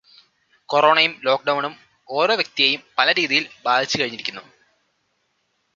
കോറോണയും ലോക്ക്ഡൗണും ഓരോ വ്യക്തിയെയും പല രീതിയിൽ ബാധിച്ചുകഴിഞ്ഞിരിക്കുന്നു.